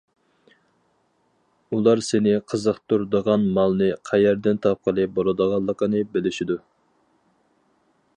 ئۇلار سېنى قىزىقتۇرىدىغان مالنى قەيەردىن تاپقىلى بولىدىغانلىقىنى بىلىشىدۇ.